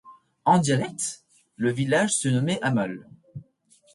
En dialecte, le village se nommait Amal.